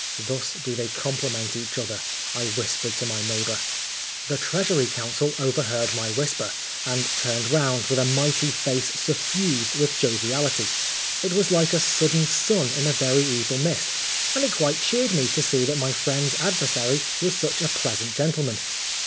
"Thus do they compliment each other," I whispered to my neighbour. The Treasury counsel overheard my whisper, and turned round, with a mighty face suffused with joviality. It was like a sudden sun in a very evil mist, and it quite cheered me to see that my friend's adversary was such a pleasant gentleman.